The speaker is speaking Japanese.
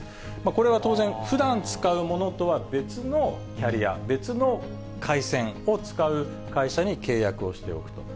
これは当然、ふだん使うものとは別のキャリア、別の回線を使う会社に契約をしておくと。